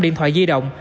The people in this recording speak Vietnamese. năm điện thoại di động